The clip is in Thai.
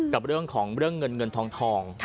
กับเรื่องของเงินเงินทอง